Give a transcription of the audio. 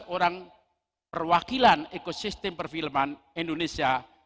lima belas orang perwakilan ekosistem perfilman indonesia